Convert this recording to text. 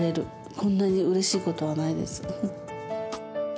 こんなにうれしいことはないです。